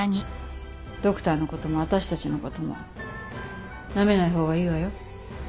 ドクターのことも私たちのこともナメない方がいいわよ。